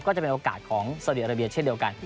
ก็จะเป็นโอกาสของสาวดีอาราเบียเช่นเดียวกัน